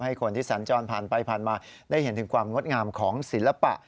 ให้คนที่สัญจรผ่านไปผ่านมาได้เห็นถึงความงดงามของศิลปะ